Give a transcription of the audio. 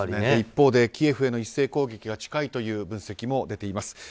一方でキエフへの一斉攻撃が近いという分析も出ています。